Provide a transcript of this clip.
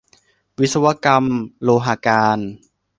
วิศวกรรมโลหการ